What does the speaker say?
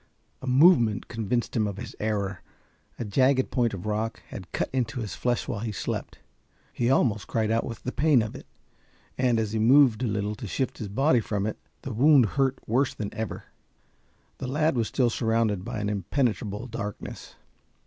A movement convinced him of his error. A jagged point of rock had cut into his flesh while he slept. He almost cried out with the pain of it, and as he moved a little to shift his body from it, the wound hurt worse than ever. The lad was still surrounded by an impenetrable darkness.